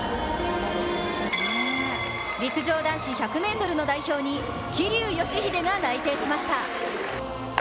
陸上男子１００ｍの代表に桐生祥秀が内定しました。